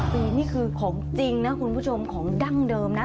ปีนี่คือของจริงนะคุณผู้ชมของดั้งเดิมนะ